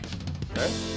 えっ！